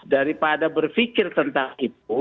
daripada berpikir tentang itu